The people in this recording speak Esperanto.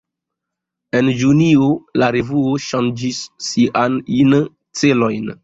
En junio, la revuo ŝanĝis siajn celojn.